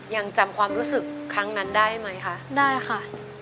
ยังจำความรู้สึกครั้งนั้นได้ไหมคะได้ค่ะ